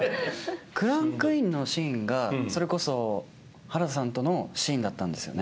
クランクインのシーンがそれこそ原田さんとのシーンだったんですよね。